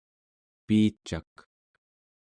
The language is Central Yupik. piicak